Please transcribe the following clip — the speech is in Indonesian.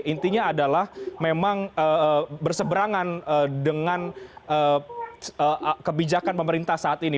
intinya adalah memang berseberangan dengan kebijakan pemerintah saat ini